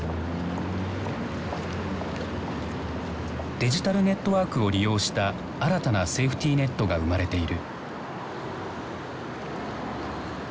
デジタルネットワークを利用した新たなセーフティーネットが生まれている。